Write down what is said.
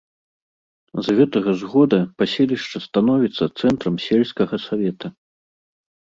З гэтага ж года паселішча становіцца цэнтрам сельскага савета.